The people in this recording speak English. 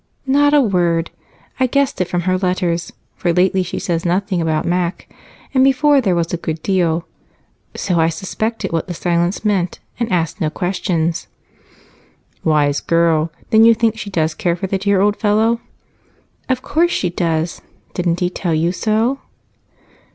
"Not a word. I guessed it from her letters, for lately she says nothing about Mac, and before there was a good deal, so I suspected what the silence meant and asked no questions." "Wise girl! Then you think she does care for the dear old fellow?" "Of course she does. Didn't he tell you so?"